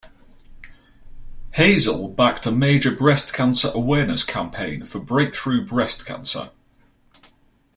Hazell backed a major breast cancer awareness campaign for Breakthrough Breast Cancer.